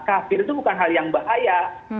kafir itu bukan hal yang bahaya